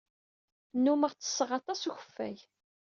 Nnummeɣ ttesseɣ aṭas n ukeffay.